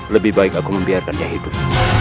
lebih baik aku membiarkannya hidup